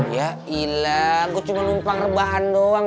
ya ilah gue cuma numpang rebahan doang